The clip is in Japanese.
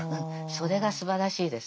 それがすばらしいです。